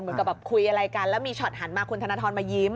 เหมือนกับแบบคุยอะไรกันแล้วมีช็อตหันมาคุณธนทรมายิ้ม